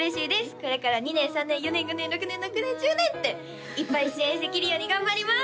これから２年３年４年５年６年６年１０年っていっぱい出演できるように頑張ります！